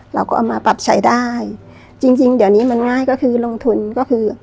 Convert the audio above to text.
เราก็เอามาปรับใช้ได้จริงจริงเดี๋ยวนี้มันง่ายก็คือลงทุนก็คือ